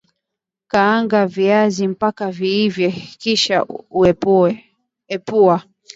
kaanga viazi mpaka viive kisha epua